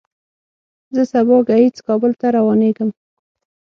زه سبا ګهیځ کابل ته روانېږم.